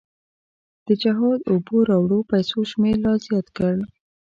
د جهاد اوبو راوړو پیسو شمېر لا زیات کړ.